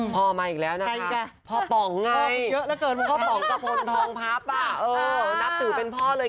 มาอีกแล้วนะคะพ่อป๋องเยอะเหลือเกินพ่อป๋องกระพลทองพับนับถือเป็นพ่อเลย